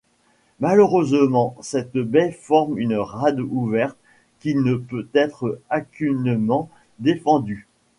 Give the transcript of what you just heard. Malheureusement cette baie forme une rade ouverte qui ne peut être aucunement défendue.